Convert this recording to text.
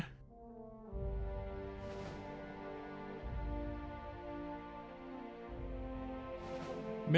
เมนูแอปเปิ้ลเคลือบน้ำตาลของเรา